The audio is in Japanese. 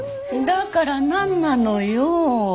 だから何なのよ。